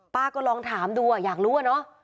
ป้าก็ลองถามดูอยากรู้อะเนาะ